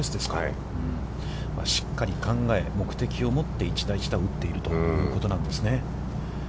しっかり考え、目的を持って一打一打を打っているということなんですね。